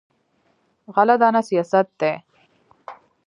غله دانه سیاست دی.